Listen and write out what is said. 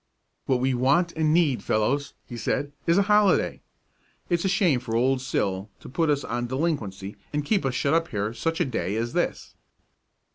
"What we want and need, fellows," he said, "is a holiday. It's a shame for Old Sil to put us on delinquency and keep us shut up here such a day as this."